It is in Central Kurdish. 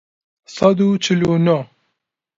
سەد و چل و نۆ